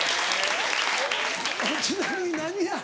ちなみに何や？